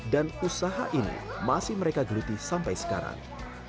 dan usaha ini masih mereka geluti sampai sekarang